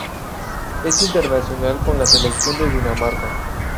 Es internacional con la selección de Dinamarca.